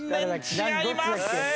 違います。